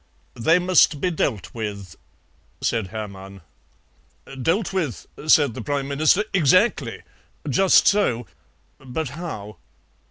"They must be dealt with," said Hermann. "Dealt with," said the Prime Minister; "exactly, just so; but how?"